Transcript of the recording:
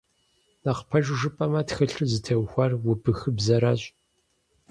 Нэхъ пэжу жыпӀэмэ, тхылъыр зытеухуар убыхыбзэращ.